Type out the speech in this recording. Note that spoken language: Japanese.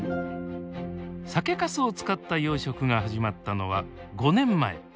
酒かすを使った養殖が始まったのは５年前。